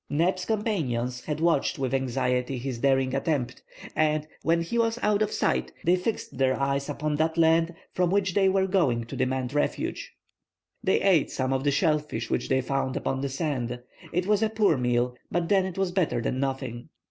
Neb's companions had watched with anxiety his daring attempt, and, when he was out of sight, they fixed their eyes upon that land from which they were going to demand refuge. They ate some of the shellfish which they found upon the sands; it was a poor meal, but then it was better than nothing.